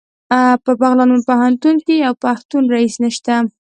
په بغلان پوهنتون کې یو پښتون رییس نشته